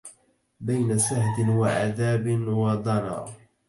بين سهد وعذاب وضنى